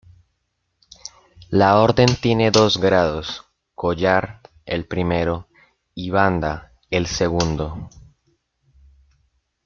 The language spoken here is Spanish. La orden tiene dos grados: Collar —el primero— y Banda —el segundo—.